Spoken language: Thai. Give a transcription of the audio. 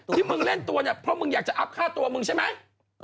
ที่มึงเล่นตัวเนี่ยเพราะมึงอยากจะอัพค่าตัวมึงใช่ไหม